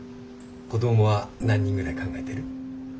子どもは何人ぐらい考えてる？